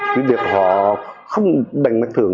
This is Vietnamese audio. cái việc họ bằng mặt thường